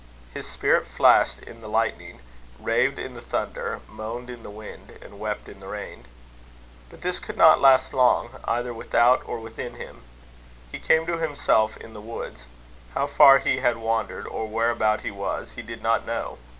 His spirit flashed in the lightning, raved in the thunder, moaned in the wind, and wept in the rain. But this could not last long, either without or within him. He came to himself in the woods. How far he had wandered, or whereabout he was, he did not know.